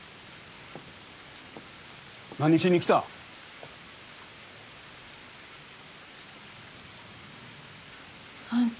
何しに来た？あんた。